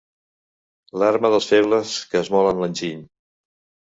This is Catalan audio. L'arma dels febles que esmolen l'enginy.